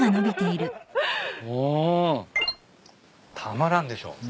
たまらんでしょ。